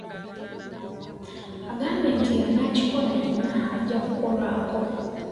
Agambye nti anaakikola yenna ajja kukolwako.